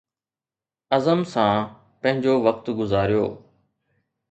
عزم سان پنهنجو وقت گذاريو